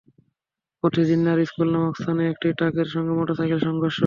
পথে জিন্নার স্কুল নামক স্থানে একটি ট্রাকের সঙ্গে মোটরসাইকেলের সংঘর্ষ হয়।